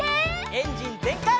エンジンぜんかい！